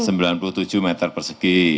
sembilan puluh tujuh meter persegi